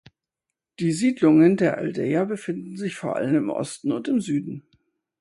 Die Siedlungen der Aldeia befinden sich vor allem im Osten und Süden.